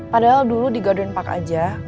padahal dulu di garden park aja